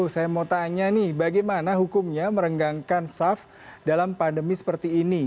saya mau tanya nih bagaimana hukumnya merenggangkan saf dalam pandemi seperti ini